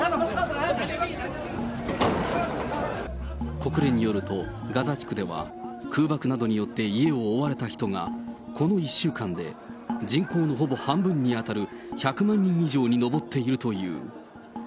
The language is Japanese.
国連によると、ガザ地区では、空爆などによって家を追われた人が、この１週間で人口のほぼ半分に当たる１００万人以上に上っているという。